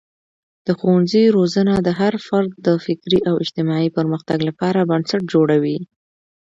د ښوونځي روزنه د هر فرد د فکري او اجتماعي پرمختګ لپاره بنسټ جوړوي.